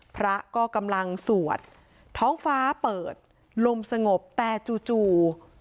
พระก็กำลังสวดท้องฟ้าเปิดลมสงบแต่จู่จู่